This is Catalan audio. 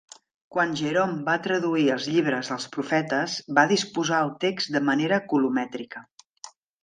Quan Jerome va traduir els llibres dels profetes, va disposar el text de manera colomètrica.